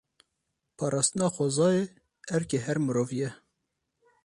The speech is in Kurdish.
Parastina xwezayê erkê her mirovî ye.